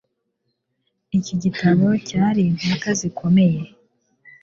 Iki gitabo cyari impaka zikomeye